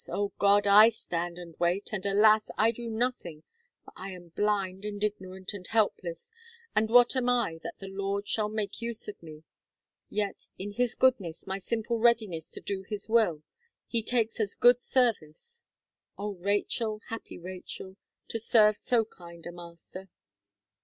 Oh, God! I stand and wait, and alas! I do nothing, for I am blind, and ignorant, and helpless, and what am I that the Lord should make use of me; yet, in His goodness, my simple readiness to do His will, He takes as good service. Oh, Rachel! happy Rachel! to serve so kind a master."